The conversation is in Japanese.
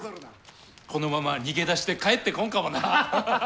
このまま逃げ出して帰ってこんかもな。